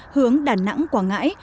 hướng đà nẵng quảng ngãi